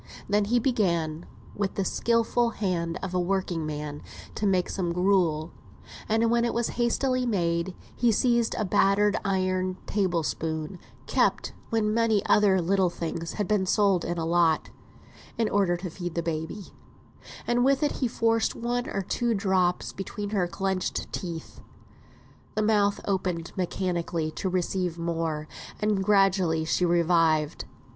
Then he began, with the useful skill of a working man, to make some gruel; and when it was hastily made he seized a battered iron table spoon (kept when many other little things had been sold in a lot), in order to feed baby, and with it he forced one or two drops between her clenched teeth. The mouth opened mechanically to receive more, and gradually she revived.